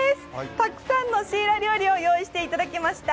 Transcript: たくさんのシイラ料理を用意していただきました。